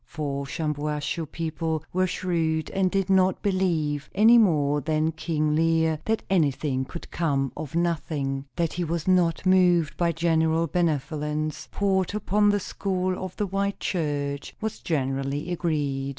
For Shampuashuh people were shrewd, and did not believe, any more than King Lear, that anything could come of nothing. That he was not moved by general benevolence, poured out upon the school of the white church, was generally agreed.